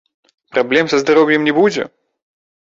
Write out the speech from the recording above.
Праблем са здароўем не будзе?